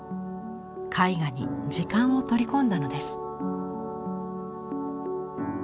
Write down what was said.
絵画に時間を取り込んだのです。